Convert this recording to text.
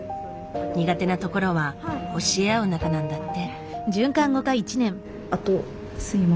苦手なところは教え合う仲なんだって。